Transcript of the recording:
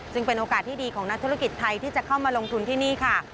ซึ่งเป็นโอกาสที่ดีของนักธุรกิจไทยที่จะเข้ามาลงทุนที่นี่ค่ะ